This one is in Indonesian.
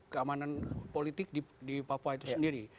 keamanan politik di papua itu sendiri